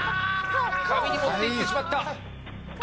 髪に持っていってしまった。